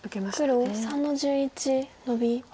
黒３の十一ノビ。